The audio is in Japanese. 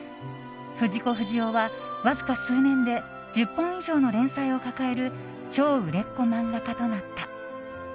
藤子不二雄は、わずか数年で１０本以上の連載を抱える超売れっ子漫画家となった。